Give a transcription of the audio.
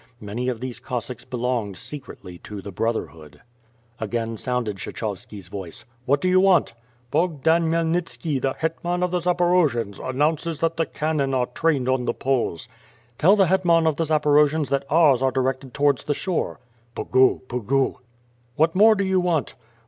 Many of these Cossacks belonged secretly to tlie Brotherhood. Again sounded Kshechovski's voice: "What do you want?'' "l>ogdan Khmyeliiitski, the Iletman of the Zaporojians, announces that the cannon are trained on the Poles." ^'Tell the lietman of the Zaporojians that ours are directed towards the shore." Pugu! Pugu! "What more do you want?"